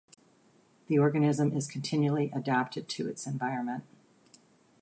The organism is continually adapted to its environment.